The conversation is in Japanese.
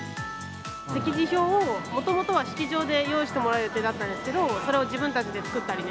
席次表をもともとは式場で用意してもらう予定だったんですけど、それを自分たちで作ったりね。